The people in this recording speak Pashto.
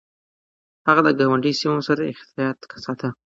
هغه د ګاونډي سيمو سره احتياط ساته.